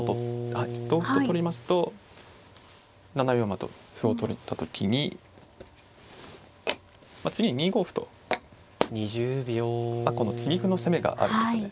はい同歩と取りますと７四馬と歩を取った時に次に２五歩とこの継ぎ歩の攻めがあるんですね。